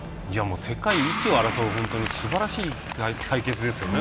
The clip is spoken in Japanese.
世界一を争うすばらしい対決ですよね